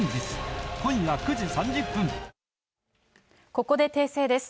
ここで訂正です。